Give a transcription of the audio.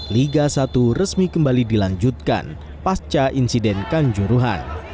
liga satu resmi kembali dilanjutkan pasca insiden kanjuruhan